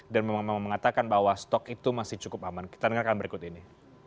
dan memang mengatakan bahwa stok itu masih cukup aman kita dengarkan berikut ini